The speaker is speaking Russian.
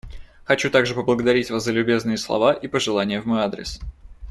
Хочу также поблагодарить вас за любезные слова и пожелания в мой адрес.